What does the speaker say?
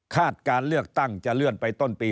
การเลือกตั้งจะเลื่อนไปต้นปี